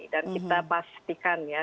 dan kita pastikan ya